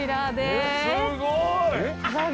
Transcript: すごい！